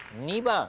２番。